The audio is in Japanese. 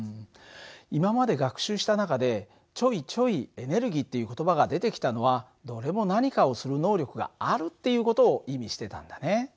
今まで学習した中でちょいちょいエネルギーっていう言葉が出てきたのはどれも何かをする能力があるっていう事を意味してたんだね。